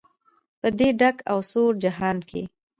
په دې ډک او سوړ جهان کې.